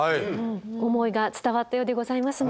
思いが伝わったようでございますね。